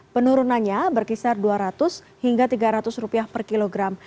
penurunannya berkisar dua ratus hingga tiga ratus per kilogram